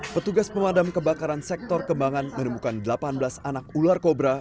petugas pemadam kebakaran sektor kembangan menemukan delapan belas anak ular kobra